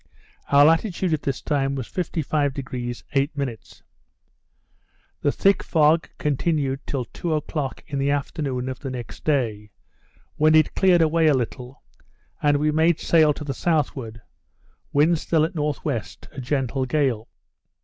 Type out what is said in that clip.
Our latitude at this time was 55° 8'. The thick fog continued till two o'clock in the afternoon of the next day, when it cleared away a little, and we made sail to the southward, wind still at N.W. a gentle gale.